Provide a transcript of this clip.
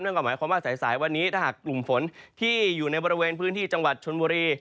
ก็หมายความว่าสายวันนี้ถ้าหากกลุ่มฝนที่อยู่ในบริเวณพื้นที่จังหวัดชนบุรี